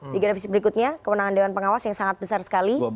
di grafisit berikutnya kewenangan dewan pengawas yang sangat besar sekali